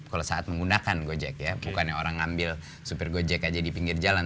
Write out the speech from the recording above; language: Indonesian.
kalau saat menggunakan gojek ya bukannya orang ngambil supir gojek aja di pinggir jalan